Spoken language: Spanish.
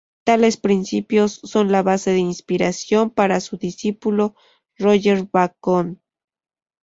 Tales principios son la base de inspiración para su discípulo Roger Bacon.